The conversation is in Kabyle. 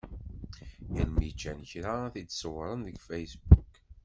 Yal mi ččan kra, ad t-id-ṣewwren deg Facebook.